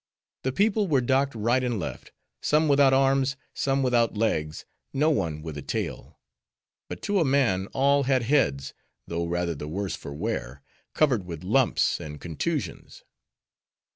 The people were docked right and left; some without arms; some without legs; not one with a tail; but to a man, all had heads, though rather the worse for wear; covered with lumps and contusions.